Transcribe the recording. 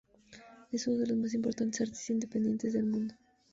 Es uno de los más importantes artistas independientes del mundo.